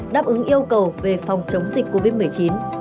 đáp ứng yêu cầu về phòng chống dịch covid một mươi chín